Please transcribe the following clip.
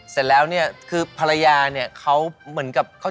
เสร็จแล้วเนี่ยคือภรรยาเนี่ยเขาเหมือนกับเขา